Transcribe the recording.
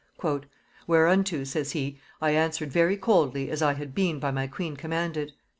"Whereunto," says he, "I answered very coldly, as I had been by my queen commanded."